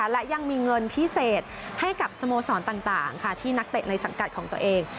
และยังมีเงินพิเศษให้กับสโมสรต่างที่นักเตะในสังกัดของตัวเอง